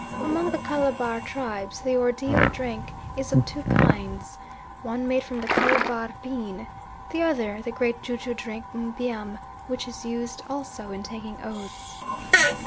Among the Calabar tribes the ordeal drink is of two kinds: one made from the Calabar bean, the other, the great ju ju drink Mbiam, which is used also in taking oaths.